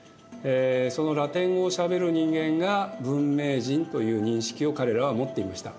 そのラテン語をしゃべる人間が文明人という認識を彼らは持っていました。